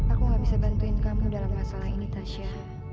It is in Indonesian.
aku gak bisa bantuin kamu dalam masalah ini tasya